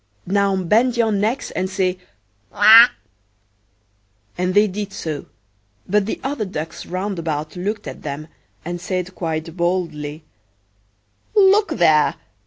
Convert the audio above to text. Now bend your necks and say 'Quack!'"And they did so: but the other ducks round about looked at them, and said quite boldly,—"Look there!